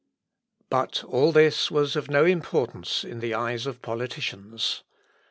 ] But all this was of no importance in the eyes of politicians.